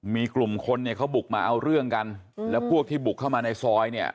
มีกลุ่มคนเนี่ยเขาบุกมาเอาเรื่องกันแล้วพวกที่บุกเข้ามาในซอยเนี่ย